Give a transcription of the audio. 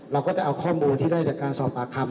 เราก็จะเอาข้อมูลที่ได้จากการสอบปากคำ